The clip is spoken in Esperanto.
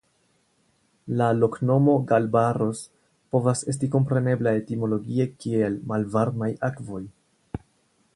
La loknomo "Galbarros" povas esti komprenebla etimologie kiel Malvarmaj Akvoj.